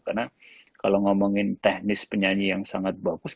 karena kalau ngomongin teknis penyanyi yang sangat bagus